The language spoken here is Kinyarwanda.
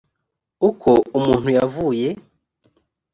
uko umuntu yavuye